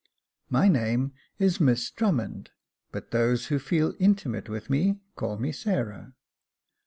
"My name is Miss Drummond, but those who feel intimate with me call me Sarah."